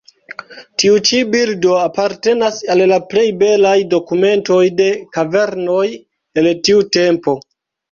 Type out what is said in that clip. Tiu ĉi bildo apartenas al la plej belaj dokumentoj de kavernoj el tiu tempo.